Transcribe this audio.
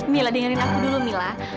mi dengerin aku dulu mi